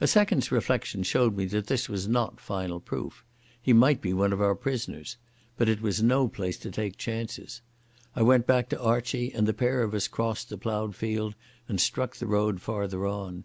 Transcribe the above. A second's reflection showed me that this was not final proof. He might be one of our prisoners. But it was no place to take chances. I went back to Archie, and the pair of us crossed the ploughed field and struck the road farther on.